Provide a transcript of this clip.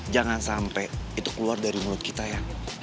jangan sampai itu keluar dari mulut kita ya